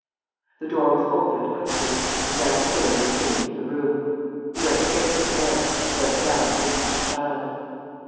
The door was opened quickly, and Daniel Granger came into the room. He went straight to the bed, and bent down to look at his child.